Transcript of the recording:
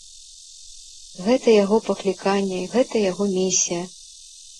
Гэта яго пакліканне, гэта яго місія.